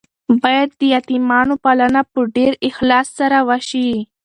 باید د یتیمانو پالنه په ډیر اخلاص سره وشي.